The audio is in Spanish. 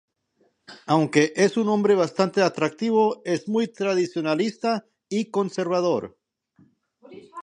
Aunque es un hombre bastante atractivo, es muy tradicionalista y conservador.